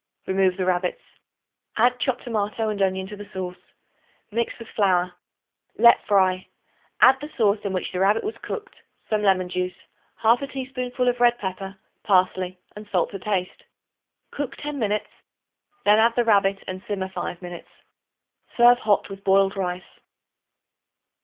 Remove the rabbits. Add chopped tomato and onion to the sauce; mix with flour; let fry; add the sauce in which the rabbit was cooked, some lemon juice, 1/2 teaspoonful of red pepper, parsley and salt to taste. Cook ten minutes; then add the rabbit and simmer five minutes. Serve hot with boiled rice.